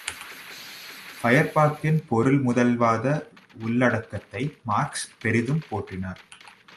ஃபயர்பாக்கின் பொருள்முதல்வாத உள்ளடக்கத்தை மார்க்ஸ் பெரிதும் போற்றினார்.